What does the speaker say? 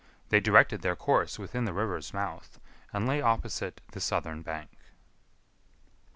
They directed their course within the river's mouth, and lay opposite the southern bank. 13.